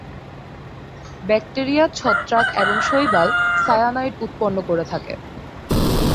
Bacteria, ছত্রাক এবং শৈবাল সায়ানাইড উৎপন্ন করে থাকে।